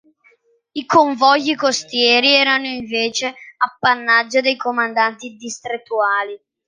I convogli costieri erano invece appannaggio dei comandanti distrettuali.